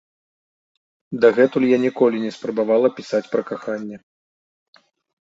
Дагэтуль я ніколі не спрабавала пісаць пра каханне.